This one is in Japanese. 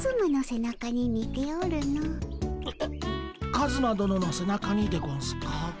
カズマ殿のせなかにでゴンスか？